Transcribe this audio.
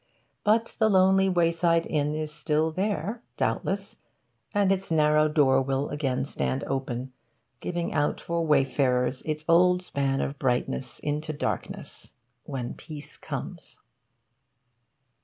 But the lonely wayside inn is still there, doubtless; and its narrow door will again stand open, giving out for wayfarers its old span of brightness into darkness, when peace comes.